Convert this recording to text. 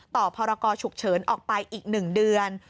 ต่อพรกชุดเฉินออกไปอีก๑เดือน